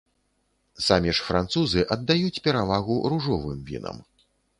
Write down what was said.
Самі ж французы аддаюць перавагу ружовым вінам.